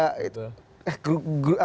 ground handling juga manusia